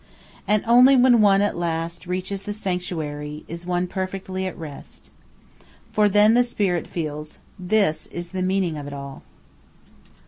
And only when one at last reaches the sanctuary is one perfectly at rest. For then the spirit feels: "This is the meaning of it all."